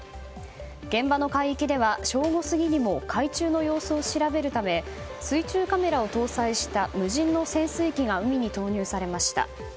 現場の海域では正午過ぎにも海中の様子を調べるため水中カメラを搭載した無人の潜水機が海に投入されました。